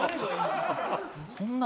そんな。